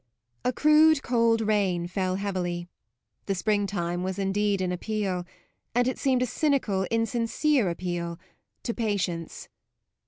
A crude, cold rain fell heavily; the spring time was indeed an appeal and it seemed a cynical, insincere appeal to patience.